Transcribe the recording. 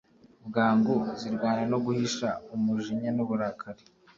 bwangu, zirwana no guhisha umujinya n'uburakari.